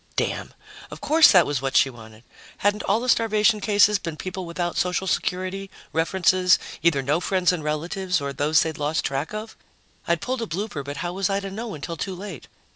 Damn! Of course that was what she wanted! Hadn't all the starvation cases been people without social security, references, either no friends and relatives or those they'd lost track of? I'd pulled a blooper, but how was I to know until too late?